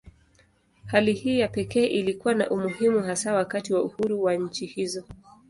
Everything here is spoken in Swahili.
Hali hii ya pekee ilikuwa na umuhimu hasa wakati wa uhuru wa nchi hizo.